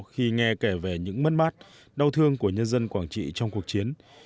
khi nghe kể về những mất mát đau thương của nhân dân quảng trị trong cuộc chiến